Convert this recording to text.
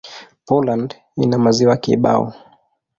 Poland ina maziwa kibao.